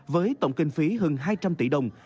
với tổng kinh phí hơn hai trăm linh tỷ đồng